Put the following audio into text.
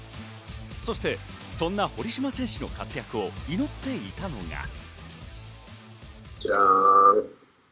そして、そんな堀島選手の活躍を祈っていたのが。